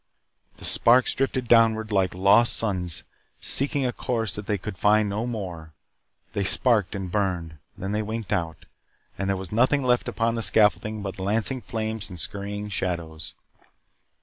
The sparks drifted downward like lost suns seeking a course that they could find no more. They sparkled and burned. Then they winked out, and there was nothing left upon the scaffolding but lancing flames and scurrying shadows.